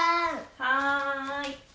はい。